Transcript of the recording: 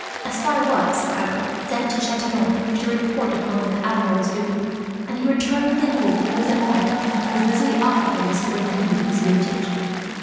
A spy was, however, sent to Chatillon to report upon what the Admiral was doing; and he returned with the news that he was at home, and was busily occupied in superintending his vintage.